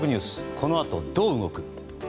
このあとどう動く？